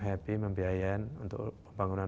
happy membiayain untuk pembangunan